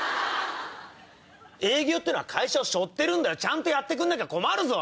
営業は会社を背負ってるんだよちゃんとやってくんなきゃ困るぞ。